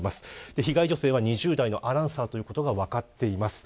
被害女性は２０代のアナウンサーということが分かっています。